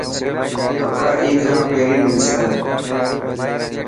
ڪپڙا عيد کان پهرين ملسي؟